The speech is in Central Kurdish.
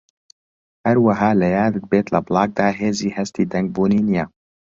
هەروەها لەیادت بێت لە بڵاگدا هێزی هەستی دەنگ بوونی نییە